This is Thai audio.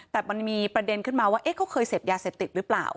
แต่มันมีประเด็นขึ้นมาว่าเขาเคยเสพยาเสพติดหรือเปล่า